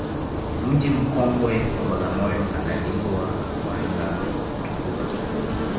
Mji mkongwe wa Bagamoyo unakadiriwa kuanza kutukuka